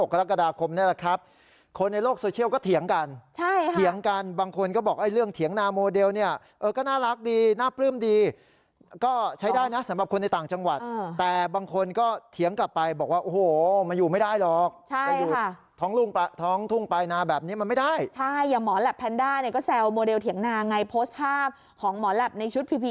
ค่ะค่ะค่ะค่ะค่ะค่ะค่ะค่ะค่ะค่ะค่ะค่ะค่ะค่ะค่ะค่ะค่ะค่ะค่ะค่ะค่ะค่ะค่ะค่ะค่ะค่ะค่ะค่ะค่ะค่ะค่ะค่ะค่ะค่ะค่ะค่ะค่ะ